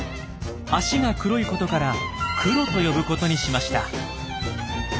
足が黒いことからクロと呼ぶことにしました。